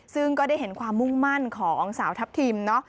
ซึ่งก็ได้เห็นความมุ่งมั่นของสาวทัพทิมเนาะ